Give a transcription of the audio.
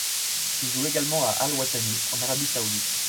Il joue également à Al Watani en Arabie saoudite.